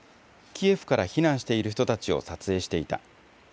キエフから避難している人たちを撮影していた。